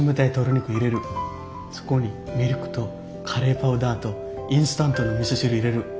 そこにミルクとカレーパウダーとインスタントのみそ汁入れる。